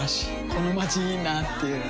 このまちいいなぁっていう